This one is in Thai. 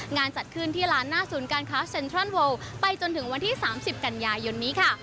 จัดขึ้นที่ร้านหน้าศูนย์การค้าเซ็นทรัลเวิลไปจนถึงวันที่๓๐กันยายนนี้ค่ะ